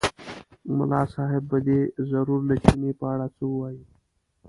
ملا صاحب به دی ضرور له چیني په اړه څه ووایي.